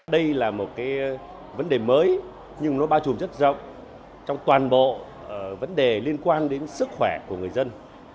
đây là một cái vấn đề mới nhưng nó bao trùm rất rộng trong toàn bộ vấn đề liên quan đến sức khỏe của người dân